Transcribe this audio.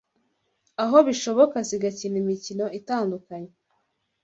aho bishoboka zigakina imikino itandukanye